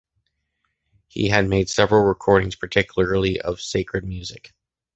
He had made several recordings, particularly of sacred music.